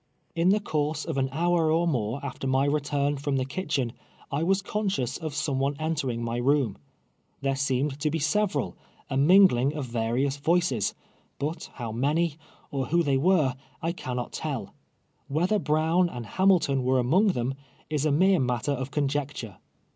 In the course of an hour or more after my return from the kitchen, I was conscious of some one enter ing my room. There seemed to be several ^— a ming ling of various voices, — l)ut liovr many, or who they were, I cannot tell. ^Vhether Brown and Hamil ton were anrong them, is a merematter of conjecture.